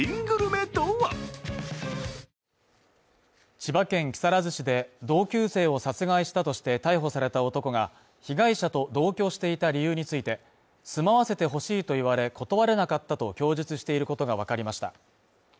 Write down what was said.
千葉県木更津市で同級生を殺害したとして逮捕された男が被害者と同居していた理由について、住まわせてほしいと言われ断れなかったと供述していることがわかりました。